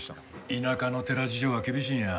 田舎の寺事情は厳しいんや。